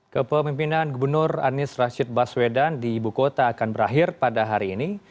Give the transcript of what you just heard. kepemimpinan gubernur anies rashid baswedan di ibu kota akan berakhir pada hari ini